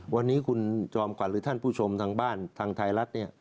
วันนี้คุณจอมขวัญหรือท่านผู้ชมทางบ้านทางไทยรัฐเนี่ย